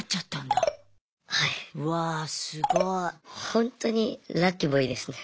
本当にラッキーボーイですね。